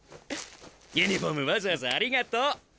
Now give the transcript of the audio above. ユニフォームわざわざありがとう。